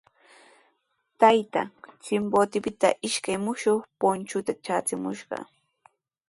Taytaa Chimbotepita ishkay mushuq punchuta traachimushqa.